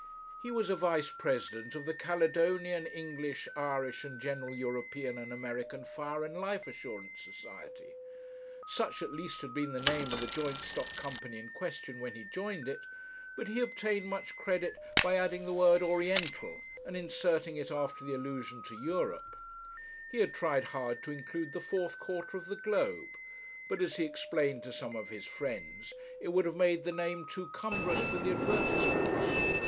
He was a Vice President of the Caledonian, English, Irish, and General European and American Fire and Life Assurance Society; such, at least, had been the name of the joint stock company in question when he joined it; but he had obtained much credit by adding the word 'Oriental,' and inserting it after the allusion to Europe; he had tried hard to include the fourth quarter of the globe; but, as he explained to some of his friends, it would have made the name too cumbrous for the advertisements.